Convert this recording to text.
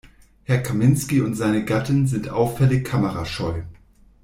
Herr Kaminski und seine Gattin sind auffällig kamerascheu.